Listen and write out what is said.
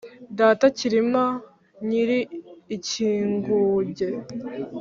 Data Cyilima nyiri Ikinguge